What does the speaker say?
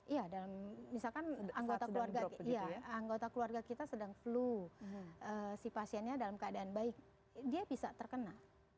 iya dalam misalkan anggota keluarga kita sedang flu si pasiennya dalam keadaan baik dia bisa terkena